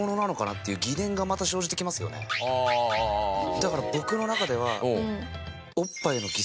だから僕の中では。